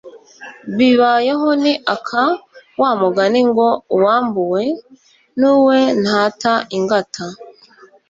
bibayeho ni aka wa mugani ngo « uwambuwe n'uwe ntata ingata »